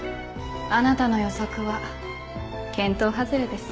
あなたの予測は見当外れです。